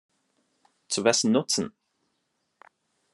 Zu wessen Nutzen?